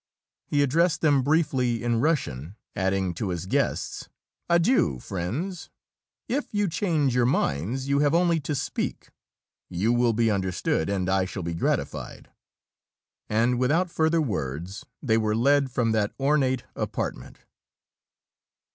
He addressed them briefly in Russian, adding to his guests: "Adieu, friends! If you change your minds, you have only to speak. You will be understood, and I shall be gratified." And without further words, they were led from that ornate apartment.